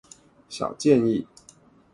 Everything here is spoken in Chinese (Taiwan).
小建議